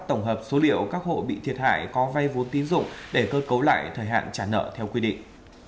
tổng hợp số liệu các hộ bị thiệt hại có vay vốn tín dụng để cơ cấu lại thời hạn trả nợ theo quy định